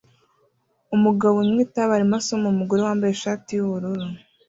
Umugabo unywa itabi arimo asoma umugore wambaye ishati yubururu